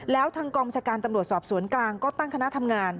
แล้วทางกองชาการตำรวจสอบสวนกลางก็ตั้งคณะทำงาน